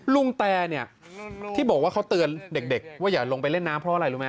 แตเนี่ยที่บอกว่าเขาเตือนเด็กว่าอย่าลงไปเล่นน้ำเพราะอะไรรู้ไหม